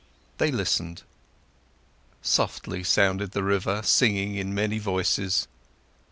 They listened. Softly sounded the river, singing in many voices.